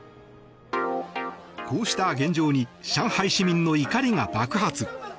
こうした現状に上海市民の怒りが爆発。